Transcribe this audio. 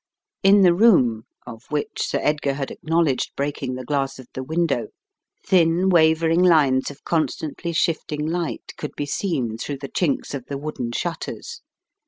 In the room, of A Shot in the Dark 115 which Sir Edgar had acknowledged breaking the glass of the window, thin, wavering lines of con stantly shifting light could be seen through the chinks of the wooden shutters.